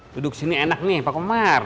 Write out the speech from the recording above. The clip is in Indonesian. duduk sini enak nih pak kemar